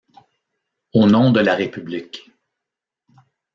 Au nom de la République.